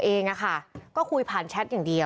ลูกสาวหลายครั้งแล้วว่าไม่ได้คุยกับแจ๊บเลยลองฟังนะคะ